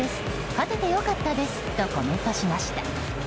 勝てて良かったですとコメントしました。